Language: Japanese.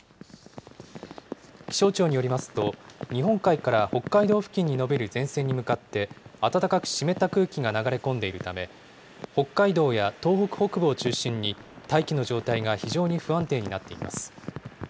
気象庁によりますと、日本海から北海道付近に延びる前線に向かって、暖かく湿った空気が流れ込んでいるため、北海道や東北北部を中心に、大気の状態が非常に不安定になっています。